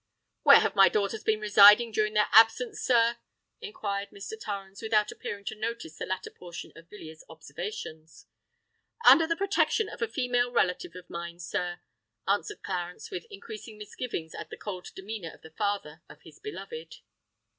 "Where have my daughters been residing during their absence, sir?" inquired Mr. Torrens, without appearing to notice the latter portion of Villiers' observations. "Under the protection of a female relative of mine, sir," answered Clarence, with increasing misgivings at the cold demeanour of the father of his beloved.